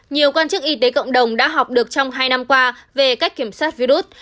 nhiều quan chức y tế cộng đồng đã học được trong hai năm qua về cách kiểm soát virus